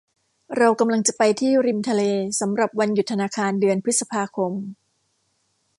เรากำลังจะไปที่ริมทะเลสำหรับวันหยุดธนาคารเดือนพฤษภาคม